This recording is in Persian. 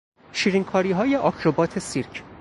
شیرینکاریهای آکروبات سیرک